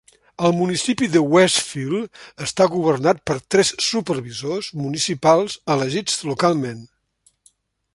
El municipi de Westfield està governat per tres supervisors municipals elegits localment.